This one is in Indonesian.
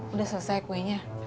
udah selesai kuenya